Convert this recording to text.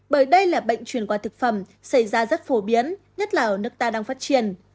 bởi đây là bệnh truyền qua thực phẩm xảy ra rất phổ biến nhất là ở nước ta đang phát triển